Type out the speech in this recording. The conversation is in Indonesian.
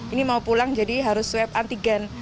ini mau pulang jadi harus swab antigen